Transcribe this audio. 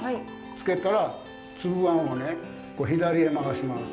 つけたら、粒あんを左へ回します。